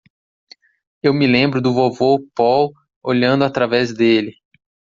Eu me lembro do vovô Paul olhando através dele.